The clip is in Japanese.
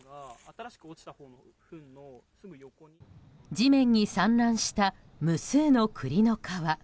地面に散乱した無数の栗の皮。